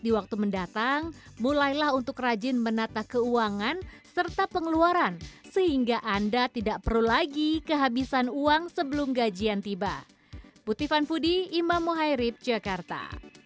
di waktu mendatang mulailah untuk rajin menata keuangan serta pengeluaran sehingga anda tidak perlu lagi kehabisan uang sebelum gajian tiba